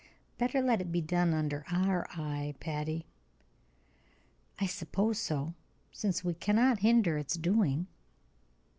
Better let it be done under our eye, Patty." "I suppose so, since we cannot hinder its doing."